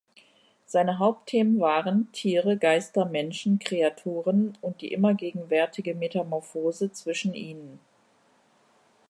Seine Hauptthemen waren: Tiere, Geister, Menschen, Kreaturen und die immer gegenwärtige Metamorphose zwischen ihnen.